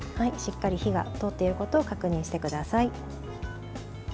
しっかり火が通っていることを確認してください。